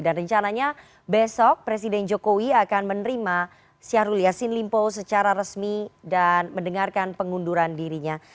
dan rencananya besok presiden jokowi akan menerima syahrul yassin limpo secara resmi dan mendengarkan pengunduran dirinya